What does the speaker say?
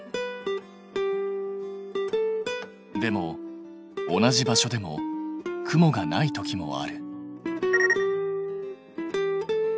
でも同じ場所でも雲がない時もある。